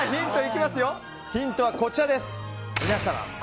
ヒントはこちらです。